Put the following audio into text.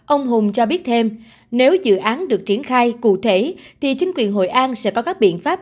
ông hùng cho biết thêm nếu dự án được triển khai cụ thể thì chính quyền hội an sẽ có các biện pháp